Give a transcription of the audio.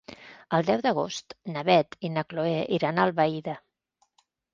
El deu d'agost na Beth i na Chloé iran a Albaida.